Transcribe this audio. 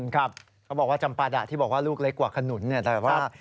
ครับเขาบอกว่าจำปาดะที่บอกว่าลูกเล็กกว่าขนุนเนี่ยแต่ว่า